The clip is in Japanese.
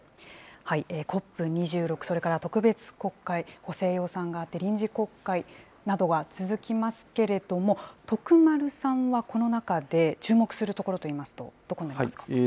ＣＯＰ２６、それから特別国会、補正予算があって、臨時国会などが続きますけれども、徳丸さんはこの中で注目するところといいますと、どこになりますか。